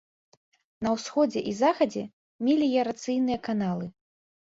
На ўсходзе і захадзе меліярацыйныя каналы.